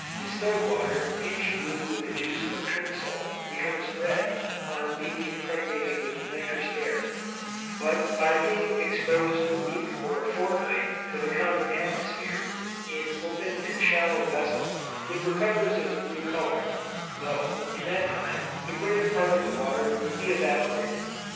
Distilled water tinged blue with the juice of turnsole becomes red on being impregnated with nitrous air; but by being exposed a week or a fortnight to the common atmosphere, in open and shallow vessels, it recovers its blue colour; though, in that time, the greater part of the water will be evaporated.